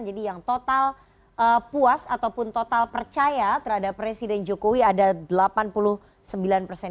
jadi yang total puas ataupun total percaya terhadap presiden jokowi ada delapan puluh sembilan persen